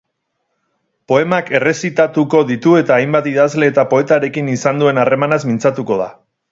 Poemak errezitatuko ditu eta hainbat idazle eta poetarekin izan duen harremanaz mintzatuko da.